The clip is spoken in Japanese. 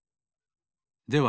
では